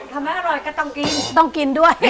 ทำไมอร่อยก็ต้องกิน